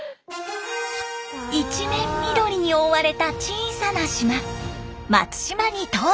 一面緑に覆われた小さな島松島に到着。